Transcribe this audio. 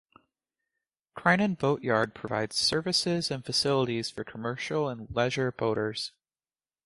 Crinan Boatyard provides services and facilities for commercial and leisure boaters.